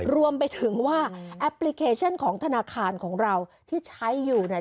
รวมไปถึงว่าแอปพลิเคชันของธนาคารของเราที่ใช้อยู่เนี่ย